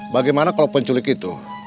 bagaimana kalau penculik itu